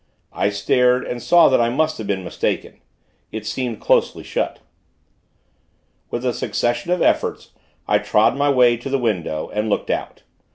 I stared, and saw that I must have been mistaken it seemed closely shut. With a succession of efforts, I trod my way to the window, and looked out.